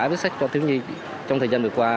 viết sách cho thiếu nhi trong thời gian vừa qua